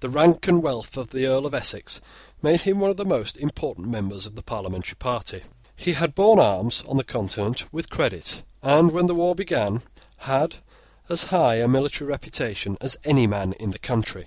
The rank and wealth of the Earl of Essex made him one of the most important members of the parliamentary party. He had borne arms on the Continent with credit, and, when the war began, had as high a military reputation as any man in the country.